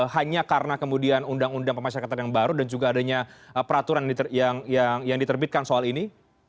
hanya karena kemudian undang undang pemasyarakatan yang baru dan juga adanya peraturan yang diterbitkan soal ini